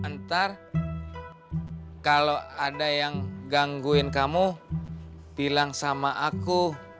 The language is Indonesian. ntar kalau ada yang gangguin kamu bilang sama aku